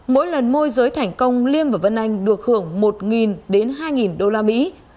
mỗi lần môi giới thành công liêm và vân anh được hưởng một đến hai đô la mỹ